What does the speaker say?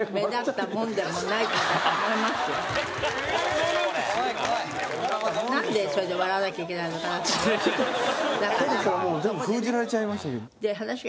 そんなそれをもう全部封じられちゃいましたけど。